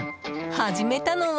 始めたのは。